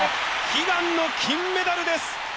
悲願の金メダルです！